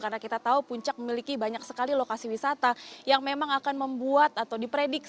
karena kita tahu puncak memiliki banyak sekali lokasi wisata yang memang akan membuat atau diperkenalkan